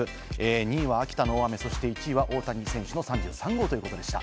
２位は秋田の大雨、そして１位は大谷選手の３３号ということでした。